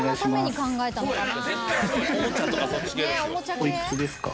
おいくつですか？